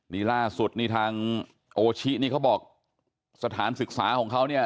นี่ล่าสุดนี่ทางโอชินี่เขาบอกสถานศึกษาของเขาเนี่ย